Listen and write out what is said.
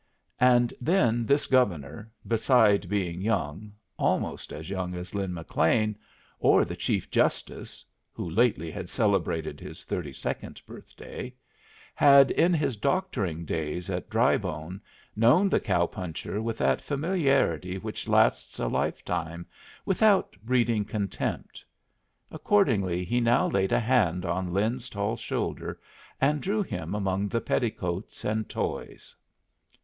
And then this Governor, beside being young, almost as young as Lin McLean or the Chief Justice (who lately had celebrated his thirty second birthday), had in his doctoring days at Drybone known the cow puncher with that familiarity which lasts a lifetime without breeding contempt; accordingly he now laid a hand on Lin's tall shoulder and drew him among the petticoats and toys.